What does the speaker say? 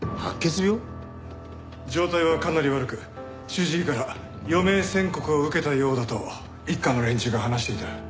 状態はかなり悪く主治医から余命宣告を受けたようだと一課の連中が話していた。